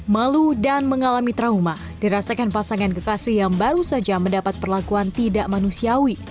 malu dan mengalami trauma dirasakan pasangan kekasih yang baru saja mendapat perlakuan tidak manusiawi